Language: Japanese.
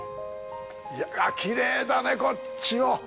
いやぁ、きれいだねぇ、こっちも！